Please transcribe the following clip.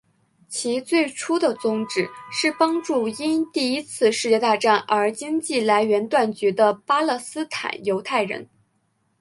其最初的宗旨是帮助因第一次世界大战而经济来源断绝的巴勒斯坦犹太人。